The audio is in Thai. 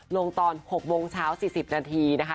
ลงตอน๖โมงเช้า๔๐นาทีนะคะ